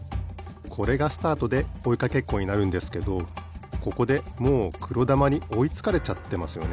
これがスタートでおいかけっこになるんですけどここでもうくろだまにおいつかれちゃってますよね。